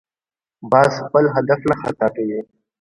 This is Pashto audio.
باز خپل هدف نه خطا کوي